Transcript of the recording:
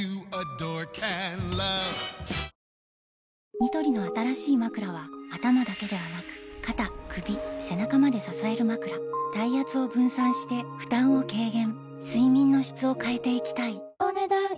ニトリの新しいまくらは頭だけではなく肩・首・背中まで支えるまくら体圧を分散して負担を軽減睡眠の質を変えていきたいお、ねだん以上。